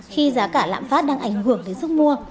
khi giá cả lạm phát đang ảnh hưởng đến sức mua